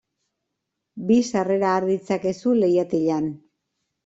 Bi sarrera har ditzakezu leihatilan.